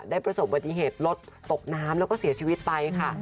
ประสบปฏิเหตุรถตกน้ำแล้วก็เสียชีวิตไปค่ะ